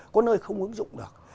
có nơi không ứng dụng được